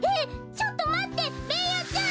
ちょっとまってベーヤちゃん！